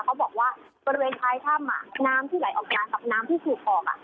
เขาบอกว่าบริเวณท้ายถ้ำน้ำที่ไหลออกมากับน้ำที่ถูกออก